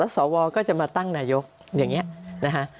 สวก็จะมาตั้งนายกอย่างนี้นะคะ